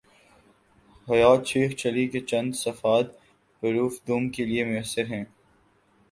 حیات شیخ چلی کے چند صفحات پروف دوم کے لیے میسر ہیں۔